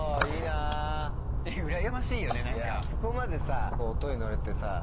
あそこまでさ音にのれてさ。